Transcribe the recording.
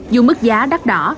dù mức giá đắt đỏ